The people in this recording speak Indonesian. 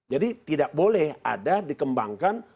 jadi tidak boleh ada dikembangkan